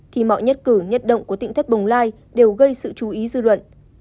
thì mọi nhất cử nhất động của tỉnh thất bồng lai đều gây sự chú ý dư luận